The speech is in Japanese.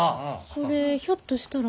それひょっとしたら。